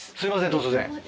突然。